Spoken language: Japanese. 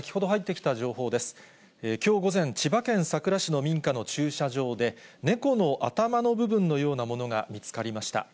きょう午前、千葉県佐倉市の民家の駐車場で、猫の頭の部分のようなものが見つかりました。